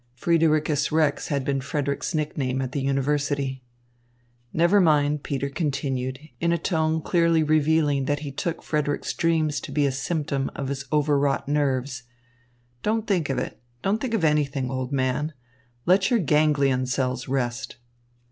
Friedericus Rex had been Frederick's nickname at the university. "Never mind," Peter continued, in a tone clearly revealing that he took Frederick's dreams to be a symptom of his over wrought nerves. "Don't think of it, don't think of anything, old man. Let your ganglion cells rest."